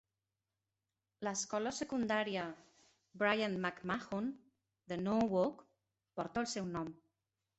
L'escola secundària Brien McMahon, de Norwalk, porta el seu nom.